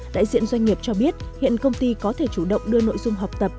đại diện doanh nghiệp cho biết hiện công ty có thể chủ động đưa nội dung học tập